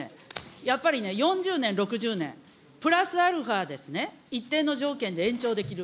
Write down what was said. やっぱりね、４０年、６０年、プラスアルファですね、一定の条件で延長できる。